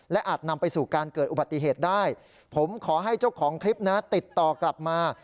อาจนำไปสู่การเกิดอุบัติเหตุได้ผมขอให้เจ้าของคลิปนะติดต่อกลับมา